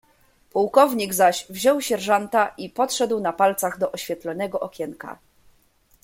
"Pułkownik zaś wziął sierżanta i podszedł na palcach do oświetlonego okienka."